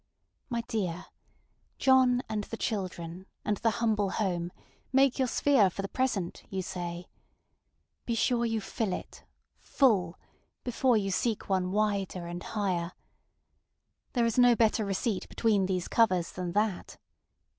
My dear, John and the children, and the humble home, make your sphere for the present, you say. Be sure you fill itŌĆö_full_! before you seek one wider and higher. There is no better receipt between these covers than that.